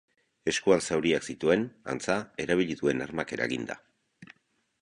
Eskuan zauriak zituen, antza, erabili duen armak eraginda.